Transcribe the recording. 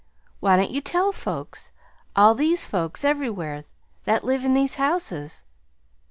Why don't you tell folks all these folks everywhere, that live in these houses?"